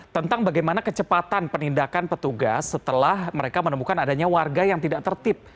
tentang bagaimana kecepatan penindakan petugas setelah mereka menemukan adanya warga yang tidak tertib